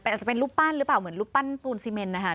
อาจจะเป็นรูปปั้นหรือเปล่าเหมือนรูปปั้นปูนซีเมนนะคะ